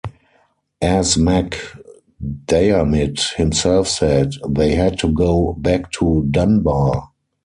As MacDiarmid himself said, they had to go "back to Dunbar".